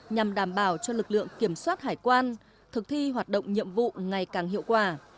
nhằm đảm bảo cho lực lượng kiểm soát hải quan thực thi hoạt động nhiệm vụ ngày càng hiệu quả